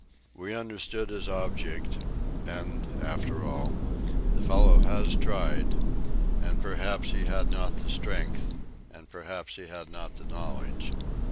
We understood his object, and, after all, the fellow has tried, and perhaps he had not the strength and perhaps he had not the knowledge.